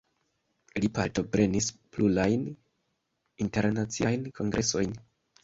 Li partoprenis plurajn internaciajn kongresojn.